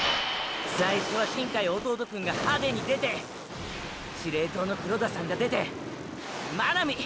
最初は新開弟クンが派手に出て司令塔の黒田サンが出て真波！